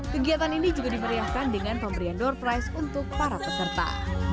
kegiatan ini juga dimeriahkan dengan pemberian door price untuk para peserta